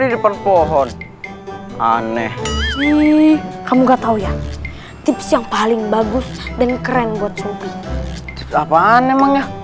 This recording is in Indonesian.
di depan pohon aneh kamu nggak tahu ya tips yang paling bagus dan keren buat supi apaan emang ya